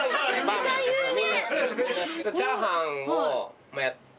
めっちゃ有名！